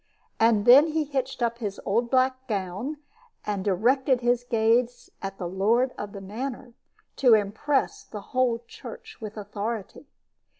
And then he hitched up his old black gown, and directed his gaze at the lord of the manor, to impress the whole church with authority.